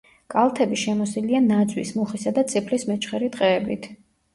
კალთები შემოსილია ნაძვის, მუხისა და წიფლის მეჩხერი ტყეებით.